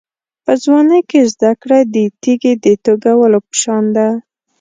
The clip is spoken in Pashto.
په ځوانۍ کې زده کړه د تېږې د توږلو په شان ده.